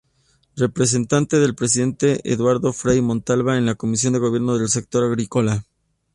Representante del presidente Eduardo Frei Montalva en la Comisión de Gobierno del Sector Agrícola.